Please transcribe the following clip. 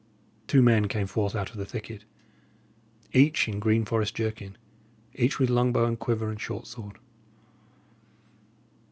Two men came forth out of the thicket, each in green forest jerkin, each with long bow and quiver and short sword.